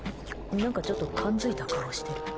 何かちょっと感づいた顔してる。